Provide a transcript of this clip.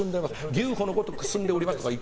牛歩のごとく進んでおりますとか。